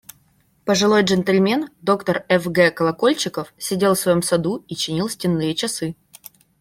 Пожилой джентльмен, доктор Ф. Г. Колокольчиков, сидел в своем саду и чинил стенные часы.